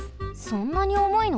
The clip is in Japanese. そんなにおもいの？